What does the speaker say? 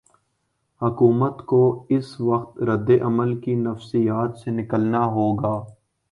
حکومت کو اس وقت رد عمل کی نفسیات سے نکلنا ہو گا۔